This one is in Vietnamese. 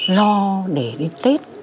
lo để đến tết